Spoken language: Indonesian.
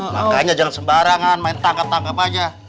makanya jangan sembarangan main tangkap tangkap aja